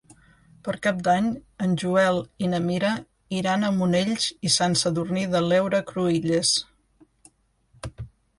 Per Cap d'Any en Joel i na Mira iran a Monells i Sant Sadurní de l'Heura Cruïlles.